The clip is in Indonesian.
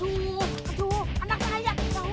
aduh aduh anak saya ya allah